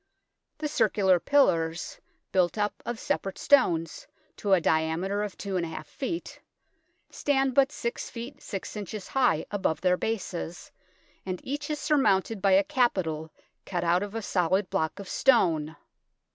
The circular pillars, built up of separate stones to a diameter of two and a half feet, stand but 6 ft. 6 in. high above their bases, and each is surmounted by a capital cut out of a solid block of stone.